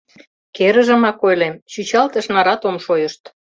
Керыжымак ойлем, чӱчалтыш нарат ом шойышт.